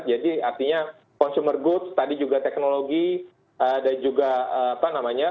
artinya consumer goods tadi juga teknologi dan juga apa namanya